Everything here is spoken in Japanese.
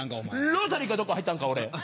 ロータリーかどっか入ったんか俺。